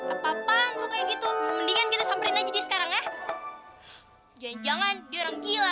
apa apa gua kayak gitu mendingan kita samperin aja dia sekarang ya jangan jangan dia orang gila